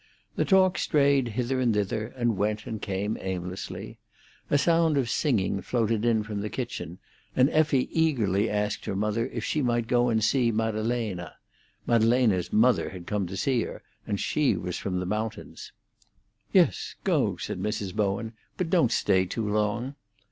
The talk strayed hither and thither, and went and came aimlessly. A sound of singing floated in from the kitchen, and Effie eagerly asked her mother if she might go and see Maddalena. Maddalena's mother had come to see her, and she was from the mountains. "Yes, go," said Mrs. Bowen; "but don't stay too long."